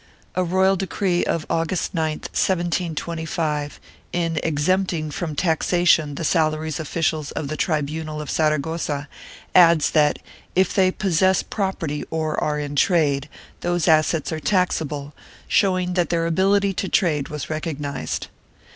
A royal decree of August 9, 1725, in exempting from taxation the salaries of officials of the tribunal of Saragossa, adds that, if they possess property or are in trade, those assets are taxable, showing that their ability to trade was recognized.